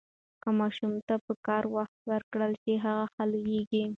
که ماشوم ته پکار وخت ورکړل شي، هغه ښه لوییږي.